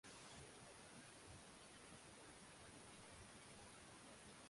Sehemu kubwa kabisa huishi sehemu za pwani Lugha kuu ni Kiarabu